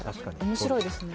面白いですね。